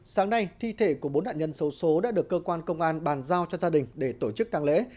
sáng nay thi thể của bốn đạn nhân số số đã được cơ quan công an bàn giao cho gia đình để tổ chức tháng lễ